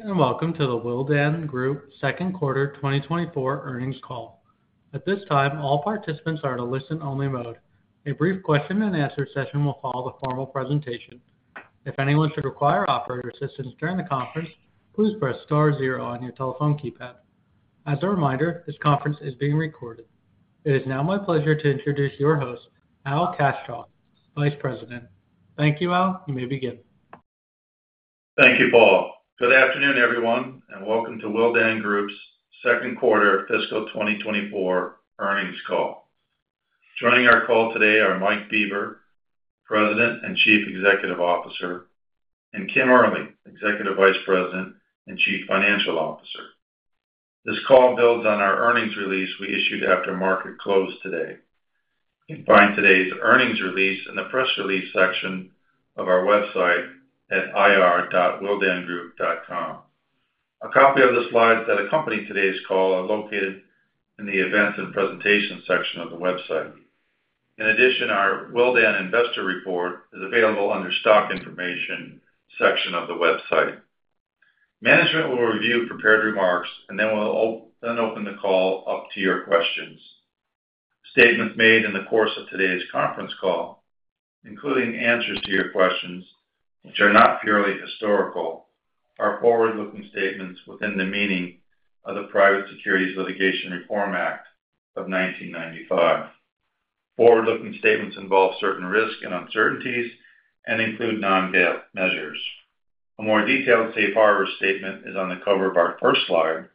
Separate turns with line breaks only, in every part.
Good afternoon, and welcome to the Willdan Group second quarter 2024 earnings call. At this time, all participants are in a listen-only mode. A brief question-and-answer session will follow the formal presentation. If anyone should require operator assistance during the conference, please press star zero on your telephone keypad. As a reminder, this conference is being recorded. It is now my pleasure to introduce your host, Al Kaschalk, Vice President. Thank you, Al. You may begin.
Thank you, Paul. Good afternoon, everyone, and welcome to Willdan Group's second quarter fiscal 2024 earnings call. Joining our call today are Mike Bieber, President and Chief Executive Officer, and Kim Early, Executive Vice President and Chief Financial Officer. This call builds on our earnings release we issued after market closed today. You can find today's earnings release in the press release section of our website at ir.willdan.com. A copy of the slides that accompany today's call are located in the Events and Presentations section of the website. In addition, our Willdan Investor Report is available under Stock Information section of the website. Management will review prepared remarks, and then we'll then open the call up to your questions. Statements made in the course of today's conference call, including answers to your questions, which are not purely historical, are forward-looking statements within the meaning of the Private Securities Litigation Reform Act of 1995. Forward-looking statements involve certain risks and uncertainties and include non-GAAP measures. A more detailed safe harbor statement is on the cover of our first slide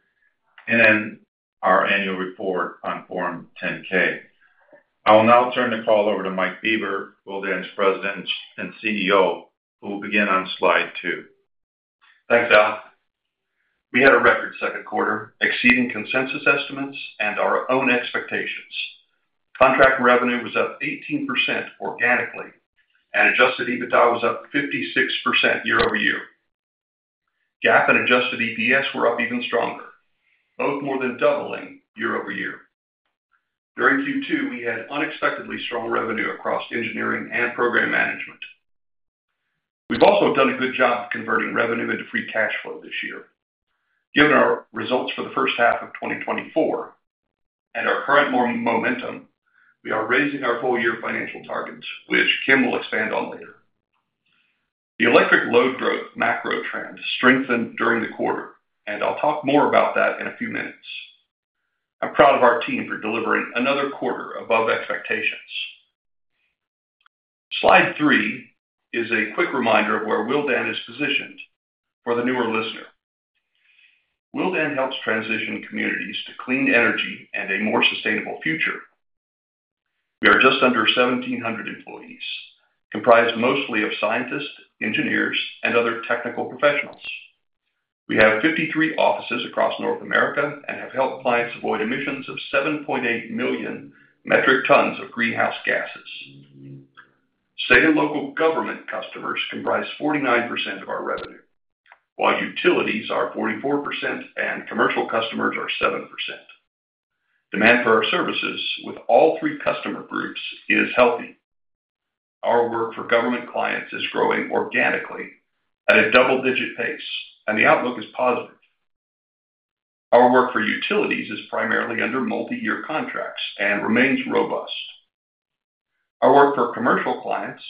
and in our annual report on Form 10-K. I will now turn the call over to Mike Bieber, Willdan's President and CEO, who will begin on slide two.
Thanks, Al. We had a record second quarter, exceeding consensus estimates and our own expectations. Contract revenue was up 18% organically, and Adjusted EBITDA was up 56% year-over-year. GAAP and Adjusted EPS were up even stronger, both more than doubling year-over-year. During Q2, we had unexpectedly strong revenue across engineering and program management. We've also done a good job of converting revenue into free cash flow this year. Given our results for the first half of 2024 and our current momentum, we are raising our full-year financial targets, which Kim will expand on later. The electric load growth macro trend strengthened during the quarter, and I'll talk more about that in a few minutes. I'm proud of our team for delivering another quarter above expectations. Slide 3 is a quick reminder of where Willdan is positioned for the newer listener. Willdan helps transition communities to clean energy and a more sustainable future. We are just under 1,700 employees, comprised mostly of scientists, engineers, and other technical professionals. We have 53 offices across North America and have helped clients avoid emissions of 7.8 million metric tons of greenhouse gases. State and local government customers comprise 49% of our revenue, while utilities are 44% and commercial customers are 7%. Demand for our services with all three customer groups is healthy. Our work for government clients is growing organically at a double-digit pace, and the outlook is positive. Our work for utilities is primarily under multi-year contracts and remains robust. Our work for commercial clients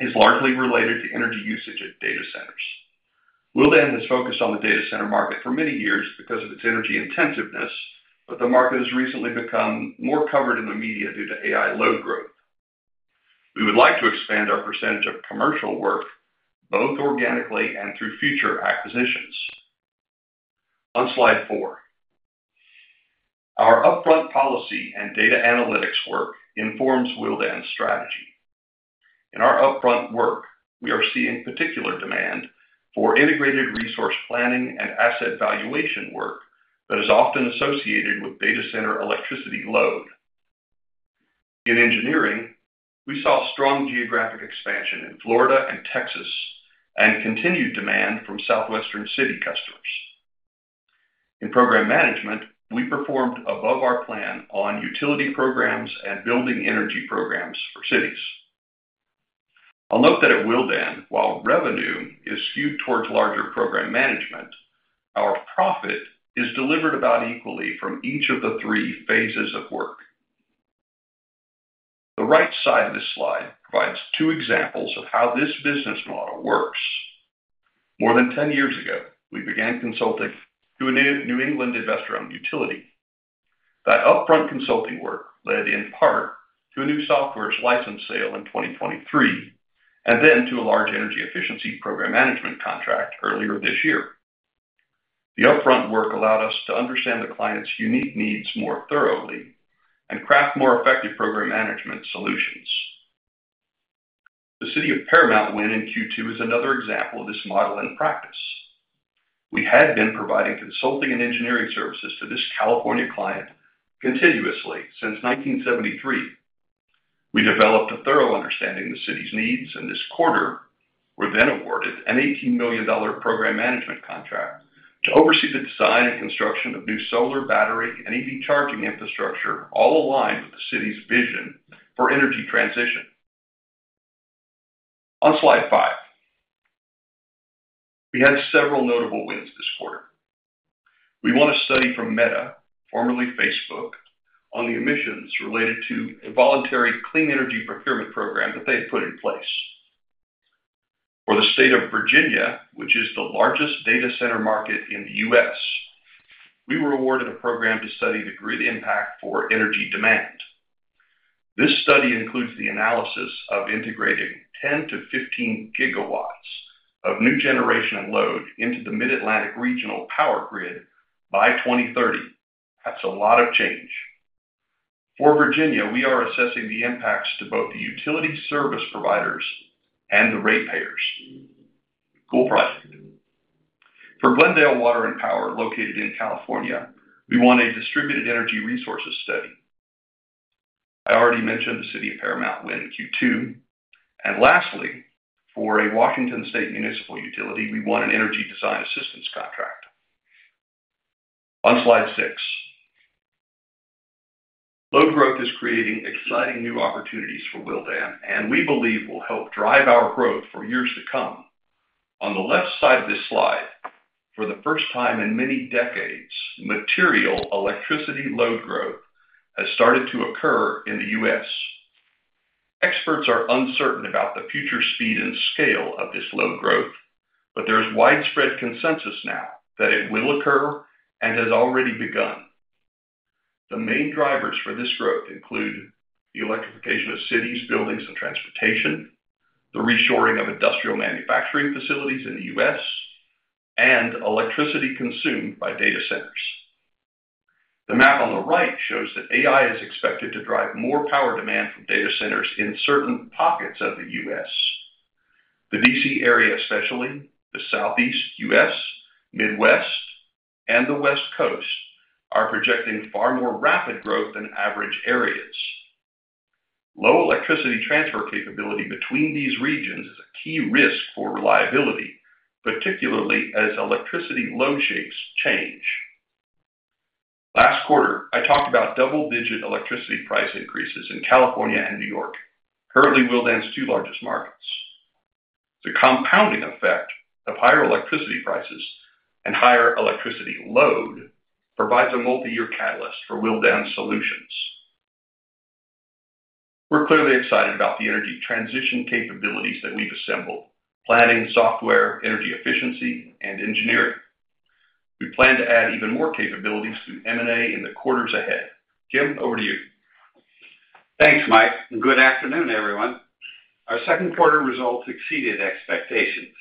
is largely related to energy usage at data centers. Willdan has focused on the data center market for many years because of its energy intensiveness, but the market has recently become more covered in the media due to AI load growth. We would like to expand our percentage of commercial work, both organically and through future acquisitions. On slide 4, our upfront policy and data analytics work informs Willdan's strategy. In our upfront work, we are seeing particular demand for integrated resource planning and asset valuation work that is often associated with data center electricity load. In engineering, we saw strong geographic expansion in Florida and Texas and continued demand from Southwestern city customers. In program management, we performed above our plan on utility programs and building energy programs for cities. I'll note that at Willdan, while revenue is skewed towards larger program management, our profit is delivered about equally from each of the three phases of work. The right side of this slide provides two examples of how this business model works. More than 10 years ago, we began consulting to a New England investor-owned utility. That upfront consulting work led, in part, to a new software license sale in 2023, and then to a large energy efficiency program management contract earlier this year. The upfront work allowed us to understand the client's unique needs more thoroughly and craft more effective program management solutions. The City of Paramount win in Q2 is another example of this model in practice. We had been providing consulting and engineering services to this California client continuously since 1973. We developed a thorough understanding of the city's needs, and this quarter, we were then awarded an $18 million program management contract to oversee the design and construction of new solar, battery, and EV charging infrastructure, all aligned with the city's vision for energy transition. On slide five. We had several notable wins this quarter. We won a study from Meta, formerly Facebook, on the emissions related to a voluntary clean energy procurement program that they had put in place. For the state of Virginia, which is the largest data center market in the US, we were awarded a program to study the grid impact for energy demand. This study includes the analysis of integrating 10 GW-15 GW of new generation and load into the Mid-Atlantic regional power grid by 2030. That's a lot of change. For Virginia, we are assessing the impacts to both the utility service providers and the ratepayers. Cool project. For Glendale Water & Power, located in California, we won a distributed energy resources study. I already mentioned the City of Paramount win in Q2, and lastly, for a Washington State municipal utility, we won an energy design assistance contract. On slide six. Load growth is creating exciting new opportunities for Willdan, and we believe will help drive our growth for years to come. On the left side of this slide, for the first time in many decades, material electricity load growth has started to occur in the U.S. Experts are uncertain about the future speed and scale of this load growth, but there is widespread consensus now that it will occur and has already begun. The main drivers for this growth include the electrification of cities, buildings, and transportation, the reshoring of industrial manufacturing facilities in the U.S., and electricity consumed by data centers. The map on the right shows that AI is expected to drive more power demand from data centers in certain pockets of the U.S. The D.C. area, especially the Southeast U.S., Midwest, and the West Coast, are projecting far more rapid growth than average areas. Low electricity transfer capability between these regions is a key risk for reliability, particularly as electricity load shapes change. Last quarter, I talked about double-digit electricity price increases in California and New York, currently Willdan's two largest markets. The compounding effect of higher electricity prices and higher electricity load provides a multiyear catalyst for Willdan solutions. We're clearly excited about the energy transition capabilities that we've assembled, planning, software, energy efficiency, and engineering. We plan to add even more capabilities through M&A in the quarters ahead. Kim, over to you.
Thanks, Mike, and good afternoon, everyone. Our second quarter results exceeded expectations.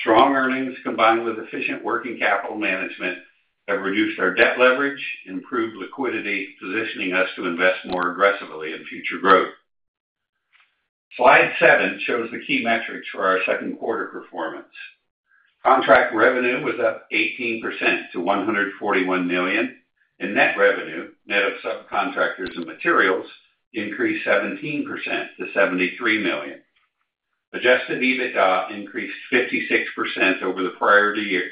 Strong earnings, combined with efficient working capital management, have reduced our debt leverage and improved liquidity, positioning us to invest more aggressively in future growth. Slide seven shows the key metrics for our second quarter performance. Contract revenue was up 18% to $141 million, and net revenue, net of subcontractors and materials, increased 17% to $73 million. Adjusted EBITDA increased 56% over the prior year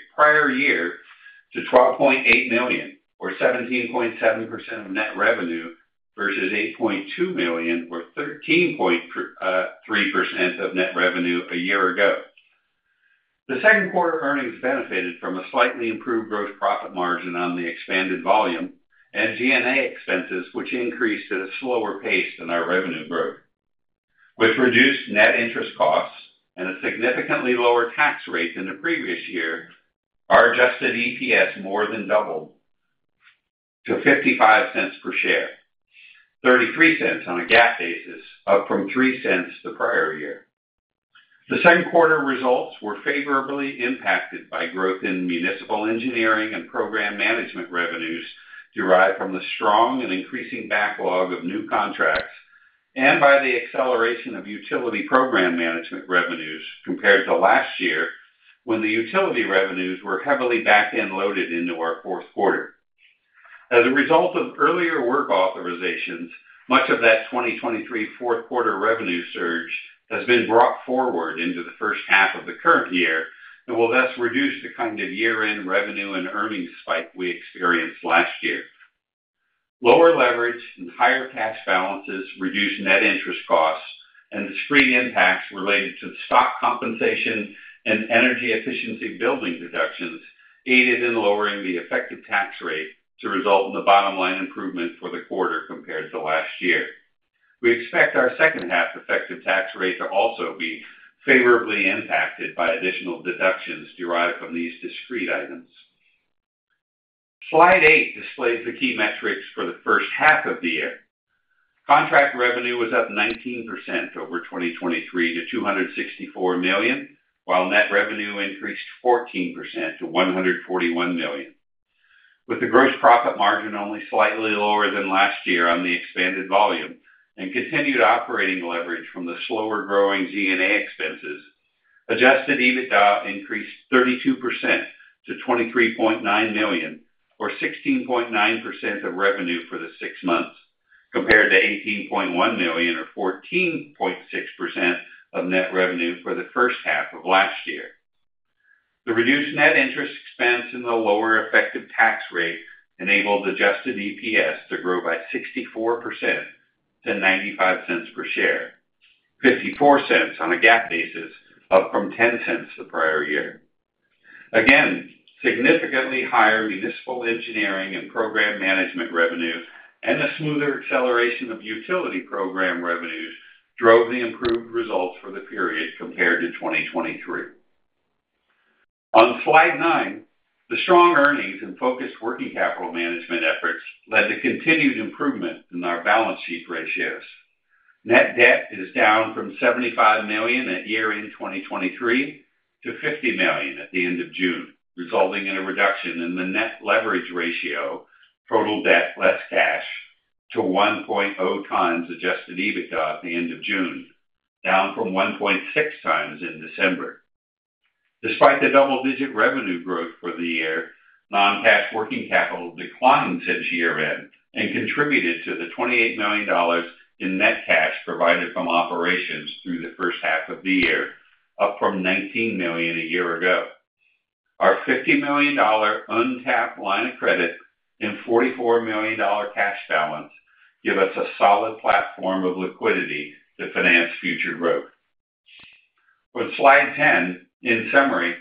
to $12.8 million, or 17.7% of net revenue, versus $8.2 million, or 13.3% of net revenue a year ago. The second quarter earnings benefited from a slightly improved gross profit margin on the expanded volume and G&A expenses, which increased at a slower pace than our revenue growth. With reduced net interest costs and a significantly lower tax rate than the previous year, our Adjusted EPS more than doubled to $0.55 per share, $0.33 on a GAAP basis, up from $0.03 the prior year. The second quarter results were favorably impacted by growth in municipal engineering and program management revenues derived from the strong and increasing backlog of new contracts, and by the acceleration of utility program management revenues compared to last year, when the utility revenues were heavily back-end loaded into our fourth quarter. As a result of earlier work authorizations, much of that 2023 fourth quarter revenue surge has been brought forward into the first half of the current year and will thus reduce the kind of year-end revenue and earnings spike we experienced last year. Lower leverage and higher tax balances, reduced net interest costs, and discrete impacts related to stock compensation and energy efficiency building deductions aided in lowering the effective tax rate to result in the bottom line improvement for the quarter compared to last year. We expect our second half effective tax rate to also be favorably impacted by additional deductions derived from these discrete items. Slide eight displays the key metrics for the first half of the year. Contract revenue was up 19% over 2023 to $264 million, while net revenue increased 14% to $141 million. With the gross profit margin only slightly lower than last year on the expanded volume and continued operating leverage from the slower-growing G&A expenses, Adjusted EBITDA increased 32% to $23.9 million, or 16.9% of revenue for the six months, compared to $18.1 million, or 14.6% of net revenue for the first half of last year. The reduced net interest expense and the lower effective tax rate enabled Adjusted EPS to grow by 64% to $0.95 per share. $0.54 on a GAAP basis, up from $0.10 the prior year. Again, significantly higher municipal engineering and program management revenue, and a smoother acceleration of utility program revenues drove the improved results for the period compared to 2023. On slide nine, the strong earnings and focused working capital management efforts led to continued improvement in our balance sheet ratios. Net debt is down from $75 million at year-end 2023 to $50 million at the end of June, resulting in a reduction in the net leverage ratio, total debt less cash, to 1.0x Adjusted EBITDA at the end of June, down from 1.6x in December. Despite the double-digit revenue growth for the year, non-cash working capital declined since year-end and contributed to the $28 million in net cash provided from operations through the first half of the year, up from $19 million a year ago. Our $50 million untapped line of credit and $44 million cash balance give us a solid platform of liquidity to finance future growth. With slide 10, in summary,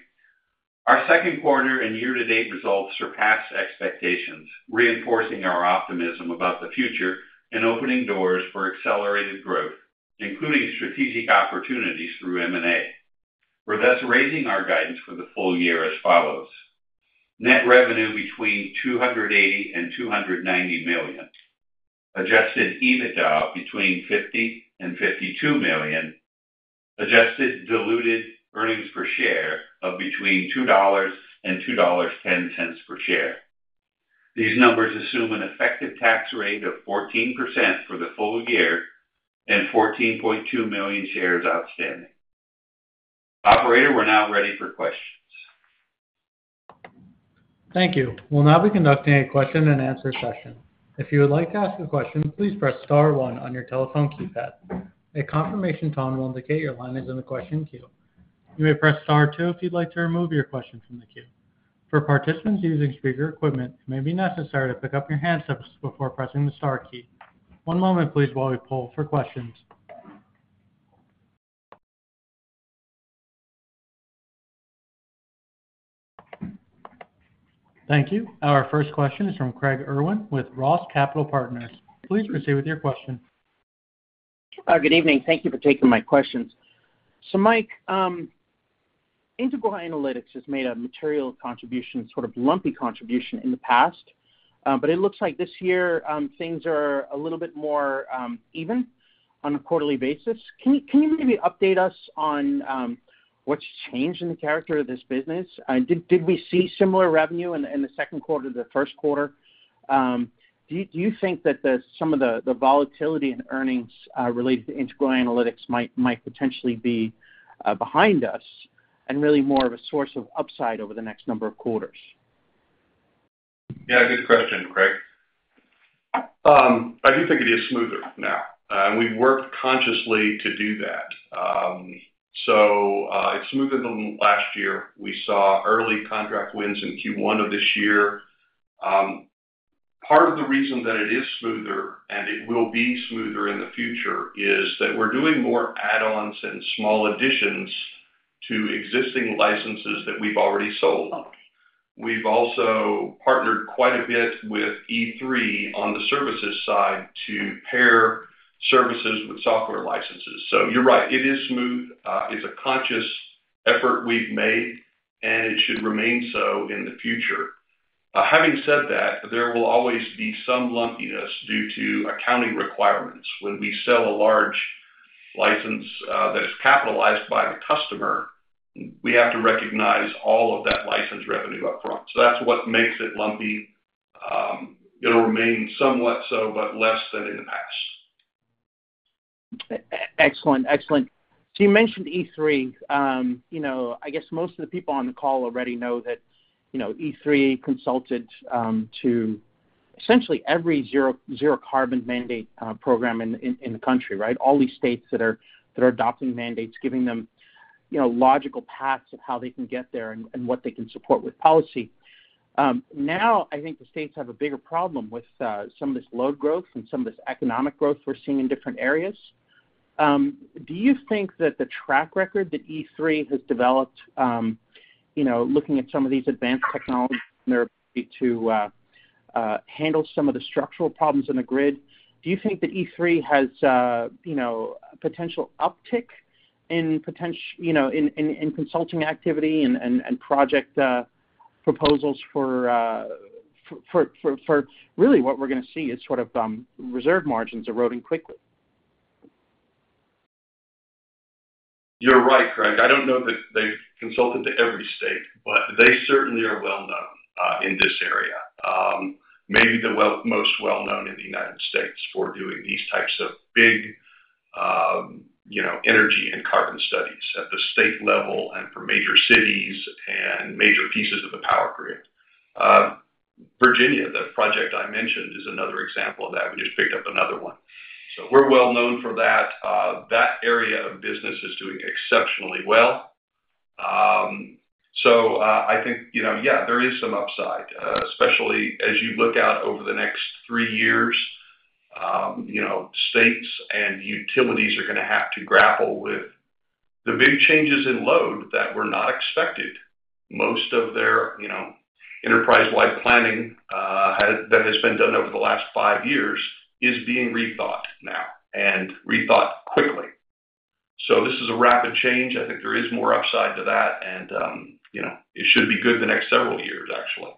our second quarter and year-to-date results surpassed expectations, reinforcing our optimism about the future and opening doors for accelerated growth, including strategic opportunities through M&A. We're thus raising our guidance for the full year as follows: Net revenue between $280 million and $290 million. Adjusted EBITDA between $50 million and $52 million. Adjusted diluted earnings per share of between $2.00 and $2.10 per share. These numbers assume an effective tax rate of 14% for the full year and 14.2 million shares outstanding. Operator, we're now ready for questions.
Thank you. We'll now be conducting a question-and-answer session. If you would like to ask a question, please press star one on your telephone keypad. A confirmation tone will indicate your line is in the question queue. You may press star two if you'd like to remove your question from the queue. For participants using speaker equipment, it may be necessary to pick up your handsets before pressing the star key. One moment, please, while we poll for questions. Thank you. Our first question is from Craig Irwin with Roth Capital Partners. Please proceed with your question.
Good evening. Thank you for taking my questions. Mike, Integral Analytics has made a material contribution, sort of lumpy contribution in the past, but it looks like this year, things are a little bit more even on a quarterly basis. Can you, can you maybe update us on what's changed in the character of this business? And did, did we see similar revenue in the second quarter to the first quarter? Do you, do you think that some of the volatility in earnings related to Integral Analytics might potentially be behind us and really more of a source of upside over the next number of quarters?
Yeah, good question, Craig. I do think it is smoother now, and we've worked consciously to do that. So, it's smoother than last year. We saw early contract wins in Q1 of this year. Part of the reason that it is smoother and it will be smoother in the future is that we're doing more add-ons and small additions to existing licenses that we've already sold. We've also partnered quite a bit with E3 on the services side to pair services with software licenses. So you're right, it is smooth. It's a conscious effort we've made, and it should remain so in the future. Having said that, there will always be some lumpiness due to accounting requirements. When we sell a large license, that is capitalized by the customer, we have to recognize all of that license revenue upfront. So that's what makes it lumpy. It'll remain somewhat so, but less than in the past.
Excellent. Excellent. So you mentioned E3. You know, I guess most of the people on the call already know that, you know, E3 consulted to essentially every zero-carbon mandate program in the country, right? All these states that are adopting mandates, giving them, you know, logical paths of how they can get there and what they can support with policy. Now, I think the states have a bigger problem with some of this load growth and some of this economic growth we're seeing in different areas. Do you think that the track record that E3 has developed, you know, looking at some of these advanced technologies and their ability to handle some of the structural problems in the grid, do you think that E3 has a, you know, potential uptick in potent... You know, in consulting activity and project proposals for really what we're gonna see is sort of reserve margins eroding quickly?
You're right, Craig. I don't know that they've consulted to every state, but they certainly are well known in this area. Maybe the most well known in the United States for doing these types of big, you know, energy and carbon studies at the state level and for major cities and major pieces of the power grid.... Virginia, the project I mentioned, is another example of that. We just picked up another one. So we're well known for that. That area of business is doing exceptionally well. So, I think, you know, yeah, there is some upside, especially as you look out over the next three years, you know, states and utilities are gonna have to grapple with the big changes in load that were not expected. Most of their, you know, enterprise-wide planning that has been done over the last five years is being rethought now, and rethought quickly. So this is a rapid change. I think there is more upside to that, and, you know, it should be good the next several years, actually.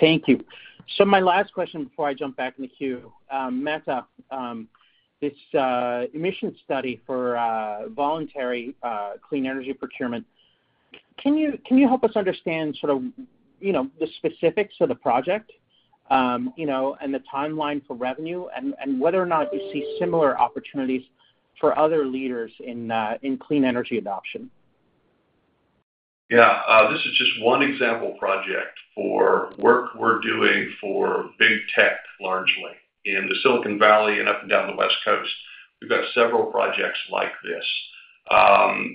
Thank you. So my last question before I jump back in the queue. Meta, this emission study for voluntary clean energy procurement, can you help us understand sort of, you know, the specifics of the project, you know, and the timeline for revenue, and whether or not you see similar opportunities for other leaders in clean energy adoption?
Yeah, this is just one example project for work we're doing for big tech, largely in the Silicon Valley and up and down the West Coast. We've got several projects like this.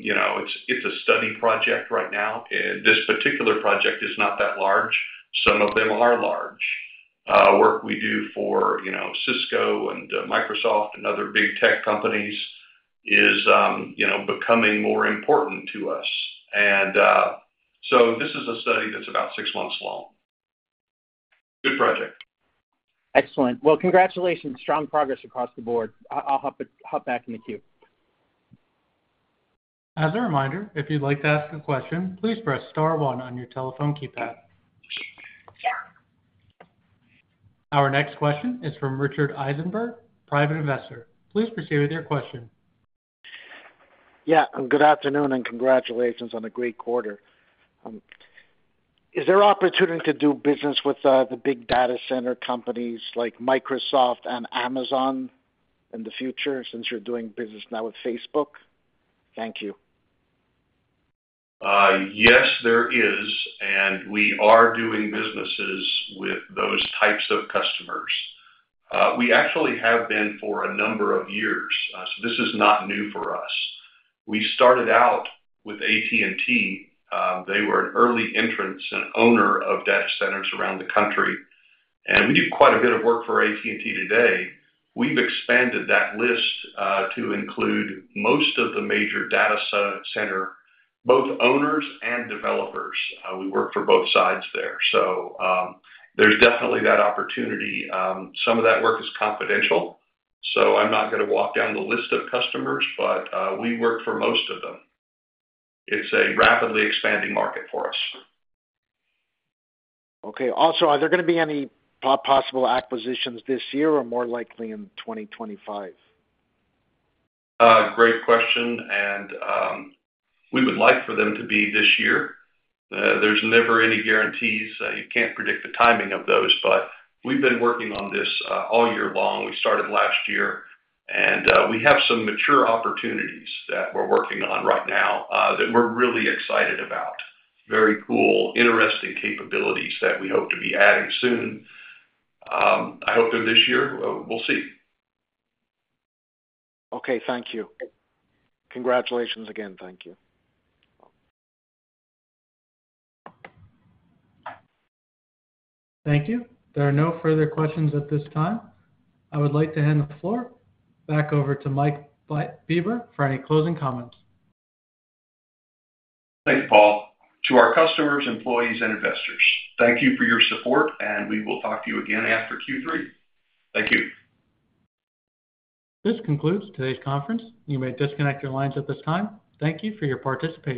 You know, it's a study project right now, and this particular project is not that large. Some of them are large. Work we do for, you know, Cisco and Microsoft and other big tech companies is, you know, becoming more important to us. And so this is a study that's about six months long. Good project.
Excellent. Well, congratulations. Strong progress across the board. I'll hop back in the queue.
As a reminder, if you'd like to ask a question, please press star one on your telephone keypad. Our next question is from Richard Eisenberg, private investor. Please proceed with your question.
Yeah, good afternoon, and congratulations on a great quarter. Is there opportunity to do business with the big data center companies like Microsoft and Amazon in the future since you're doing business now with Facebook? Thank you.
Yes, there is, and we are doing businesses with those types of customers. We actually have been for a number of years, so this is not new for us. We started out with AT&T. They were an early entrant and owner of data centers around the country, and we do quite a bit of work for AT&T today. We've expanded that list to include most of the major data center, both owners and developers. We work for both sides there, so there's definitely that opportunity. Some of that work is confidential, so I'm not gonna walk down the list of customers, but we work for most of them. It's a rapidly expanding market for us.
Okay. Also, are there gonna be any possible acquisitions this year or more likely in 2025?
Great question, and we would like for them to be this year. There's never any guarantees. You can't predict the timing of those, but we've been working on this, all year long. We started last year, and we have some mature opportunities that we're working on right now, that we're really excited about. Very cool, interesting capabilities that we hope to be adding soon. I hope they're this year. We'll see.
Okay. Thank you. Congratulations again. Thank you.
Thank you. There are no further questions at this time. I would like to hand the floor back over to Mike Bieber for any closing comments.
Thank you, Paul. To our customers, employees, and investors, thank you for your support, and we will talk to you again after Q3. Thank you.
This concludes today's conference. You may disconnect your lines at this time. Thank you for your participation.